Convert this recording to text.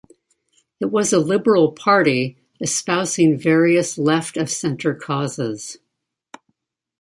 It was a liberal party espousing various left of centre causes.